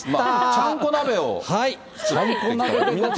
ちゃんこ鍋？